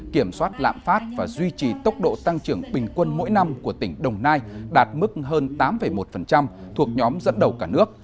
kiểm soát lạm phát và duy trì tốc độ tăng trưởng bình quân mỗi năm của tỉnh đồng nai đạt mức hơn tám một thuộc nhóm dẫn đầu cả nước